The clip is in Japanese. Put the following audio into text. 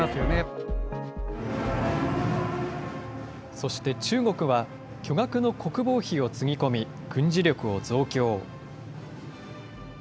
そして中国は、巨額の国防費をつぎ込み、軍事力を増強。